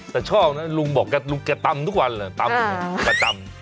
แต่ชอบนะลุงบอกลุงแกตำทุกวันเหรอตำประจำ